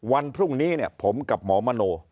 วันพรุ่งนี้เนี่ยผมกับหมอมโน